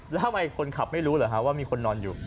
แล้วทำไมคนขับไม่รู้เหรอฮะว่ามีคนนอนอยู่